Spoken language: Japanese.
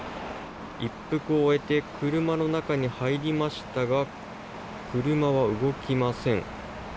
一服を終えて車の中に入りましたが車は動きません。